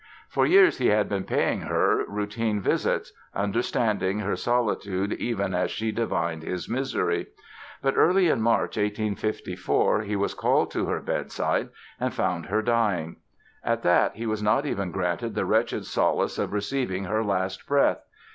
For years he had been paying her routine visits, understanding her solitude even as she divined his misery. But early in March, 1854, he was called to her bedside and found her dying. At that, he was not even granted the wretched solace of receiving her last breath!